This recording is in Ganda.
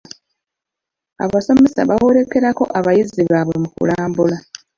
Abasomesa bawerekerako abayizi baabwe mu kulambula.